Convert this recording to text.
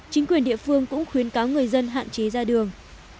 chính quyền địa phương cũng khuyến cáo người dân hạn chế ra đường